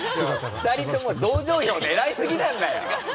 ２人とも同情票狙いすぎなんだよ！